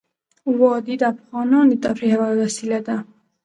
وادي د افغانانو د تفریح یوه وسیله ده.